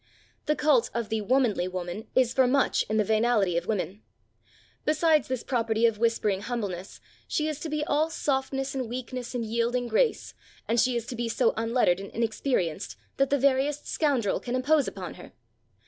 The cult of the "womanly" woman is for much in the venality of women. Besides this property of whispering humbleness, she is to be all softness and weakness and yielding grace, and she is to be so unlettered and inexperienced that the veriest scoundrel can impose upon her.